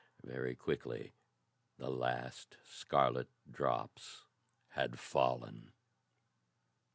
Very quickly the last scarlet drops had fallen.